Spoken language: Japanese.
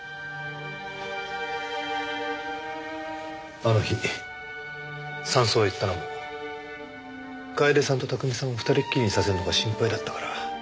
あの日山荘へ行ったのも楓さんと巧さんを二人きりにさせるのが心配だったから。